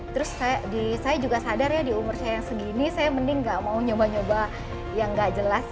terus saya juga sadar ya di umur saya yang segini saya mending gak mau nyoba nyoba yang nggak jelas